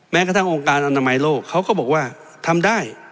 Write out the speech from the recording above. แม้กระทั่งองค์การอนามัยโลกเขาก็บอกว่าทำได้